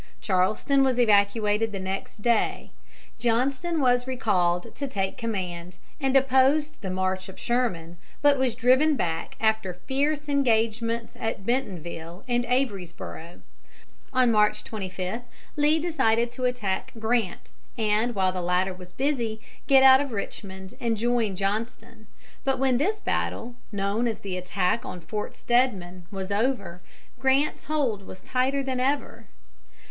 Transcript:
Charleston was evacuated the next day. Johnston was recalled to take command, and opposed the march of Sherman, but was driven back after fierce engagements at Bentonville and Averysboro. On March 25 Lee decided to attack Grant, and, while the latter was busy, get out of Richmond and join Johnston, but when this battle, known as the attack on Fort Steadman, was over, Grant's hold was tighter than ever.